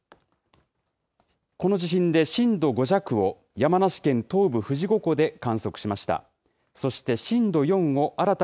この地震で震度５弱を山梨県東部富士五湖で観測しました。